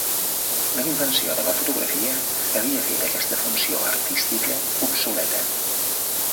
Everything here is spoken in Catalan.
La invenció de la fotografia havia fet aquesta funció artística obsoleta.